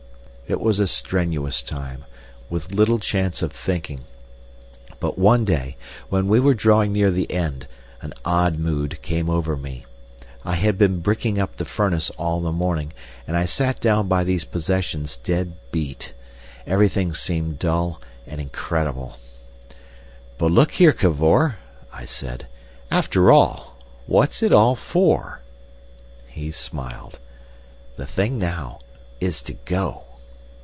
It was a strenuous time, with little chance of thinking. But one day, when we were drawing near the end, an odd mood came over me. I had been bricking up the furnace all the morning, and I sat down by these possessions dead beat. Everything seemed dull and incredible. "But look here, Cavor," I said. "After all! What's it all for?" He smiled. "The thing now is to go."